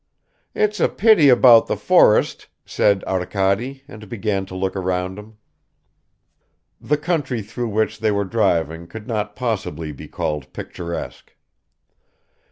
"It's a pity about the forest," said Arkady, and began to look around him. The country through which they were driving could not possibly be called picturesque.